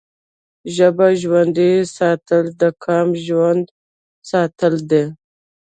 ژبه ژوندی ساتل د قام ژوندی ساتل دي.